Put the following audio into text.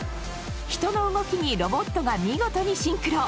人の動きにロボットが見事にシンクロ。